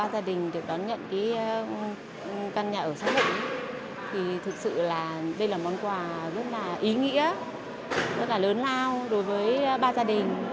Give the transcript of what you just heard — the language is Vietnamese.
thực sự là đây là món quà rất là ý nghĩa rất là lớn lao đối với ba gia đình